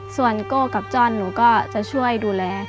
ส่วนโก้กับจ้อนหนูก็จะช่วยดูแล